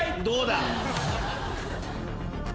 どうだ？